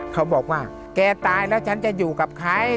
เขาบอกว่าแกตายแล้วฉันจะอยู่กับใคร